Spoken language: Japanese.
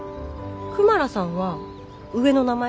クマラさんは上の名前？